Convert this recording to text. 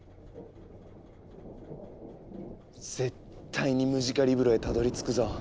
絶対にムジカリブロへたどりつくぞ。